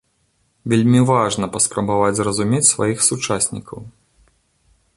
Вельмі важна паспрабаваць зразумець сваіх сучаснікаў.